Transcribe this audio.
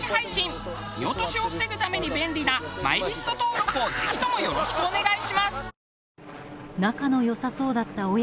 見落としを防ぐために便利なマイリスト登録をぜひともよろしくお願いします。